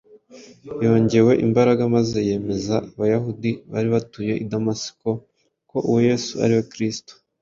yongewe imbaraga maze yemeza Abayahudi bari batuye i Damasiko ko uwo Yesu ari we Kristo.